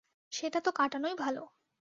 সেটা তো কাটানোই ভালো।